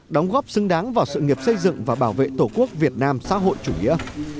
đóng góp xứng đáng vào sự nghiệp xây dựng và bảo vệ tổ quốc việt nam xã hội chủ nghĩa